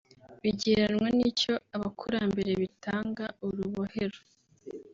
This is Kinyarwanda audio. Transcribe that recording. bigereranywa n’icyo abakurambere bitaga “Urubohero